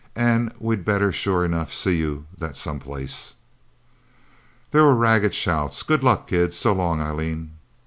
"And we better sure enough see you that someplace!" There were ragged shouts. "Good luck, kid. So long, Eileen..."